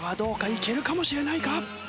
いけるかもしれないか？